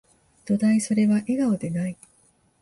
どだい、それは、笑顔でない